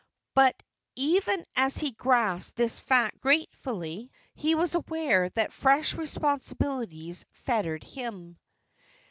But even as he grasped this fact gratefully, he was aware that fresh responsibilities fettered him.